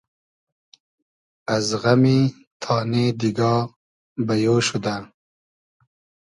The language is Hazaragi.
از غئمی تانې دیگا بئیۉ شودۂ